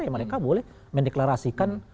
ya mereka boleh mendeklarasikan